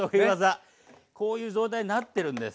こういう状態になってるんです。